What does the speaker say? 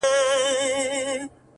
اوس يــې آهـونـــه په واوښتـل؛